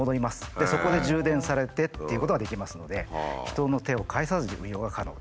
でそこで充電されてということができますので人の手を介さずに運用が可能です。